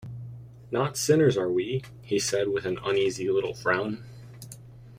“Not sinners, are we?” he said, with an uneasy little frown.